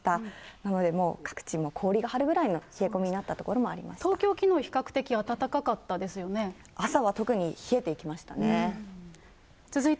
なのでもう、各地、氷が張るぐらいの冷え込みになった所もありま東京、きのう、朝は特に冷えてきましたね。